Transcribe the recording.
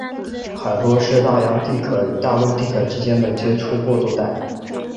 海沟是大洋地壳与大陆地壳之间的接触过渡带。